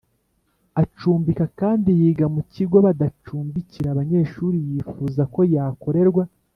Acumbika kandi yiga mu kigo badacumbikira abanyeshuri yifuza ko yakorerwa